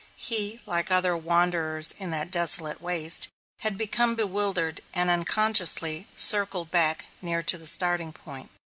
He, like other wanderers on that desolate waste, had become bewildered, and, unconsciously, circled back near to the starting point.